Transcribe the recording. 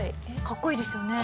かっこいいですよね。